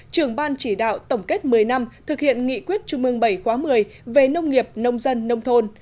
trưởng ban chỉ đạo tổng kết một mươi năm thực hiện nghị quyết trung mương bảy khóa một mươi về nông nghiệp nông dân nông thôn